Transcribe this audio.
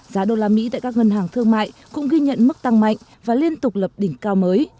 giá đô la mỹ tại các ngân hàng thương mại cũng ghi nhận mức tăng mạnh và liên tục lập đỉnh cao mới